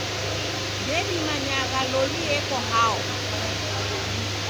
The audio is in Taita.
Ndedimanyagha loli eko hao.